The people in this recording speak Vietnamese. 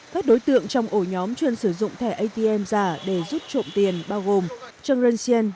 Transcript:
các đối tượng trong ổ nhóm chuyên sử dụng thẻ atm giả để rút trộm tiền bao gồm trần rân siên